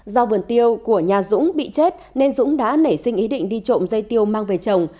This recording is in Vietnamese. do vườn tiêu của nhà dũng bị chết nên dũng đã nảy sinh ý định đi trộm dây tiêu mang về trồng